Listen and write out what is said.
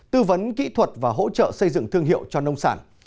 tư vấn kỹ thuật và hỗ trợ xây dựng thương hiệu cho nông sản